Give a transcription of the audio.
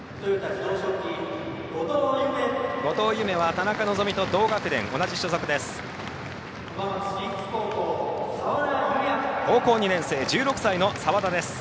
後藤夢は田中希実と同学年で同じ所属です。